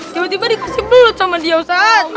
tiba tiba dikasih belut sama dia ustadz